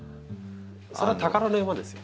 それは宝の山ですよ。